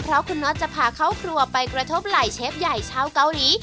เพราะคุณน็อตจะพาเข้าครัวไปกระทบไหล่เชฟใหญ่ชาวเกาหลี